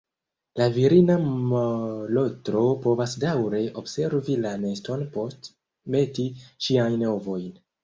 La virina molotro povas daŭre observi la neston post meti ŝiajn ovojn.